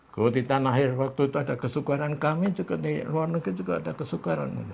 kalau di tanah air waktu itu ada kesukaran kami juga di luar negeri juga ada kesukaran